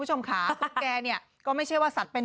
อยู่นี้ก่อนนี่ก่อน